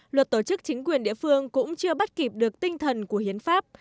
luật tổ chức chính quyền địa phương cũng chưa bắt kịp được tinh thần của hiến pháp